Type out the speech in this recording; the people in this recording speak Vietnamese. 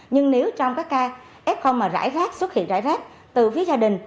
nhưng nếu trong các ca f mà rải rác xuất hiện rải rác từ phía gia đình